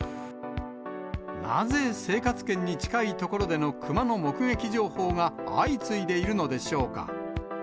なぜ、生活圏に近い所でのクマの目撃情報が相次いでいるのでしょうか。